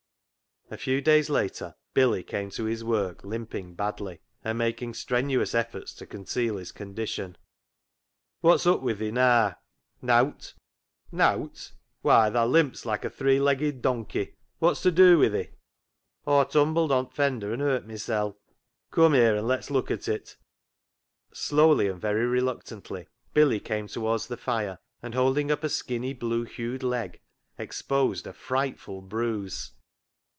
A few days later Billy came to his work limping badly, and making strenuous efforts to conceal his condition. " Wot's up wi' thi naa ?"" Nowt." " Nowt ! why, tha limps like a three legged donkey. Wot's to do wi' thi ?"" Aw tumbled ont' fender and hurt mysel'." " Cum here and let's look at it." Slowly and very reluctantly Billy came towards the fire, and, holding up a skinny, blue hued leg, exposed a frightful bruise.